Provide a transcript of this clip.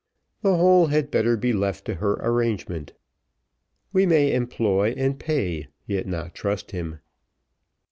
The whole had better be left to her arrangement. We may employ, and pay, yet not trust him."